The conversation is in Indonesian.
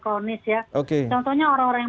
kronis ya contohnya orang orang yang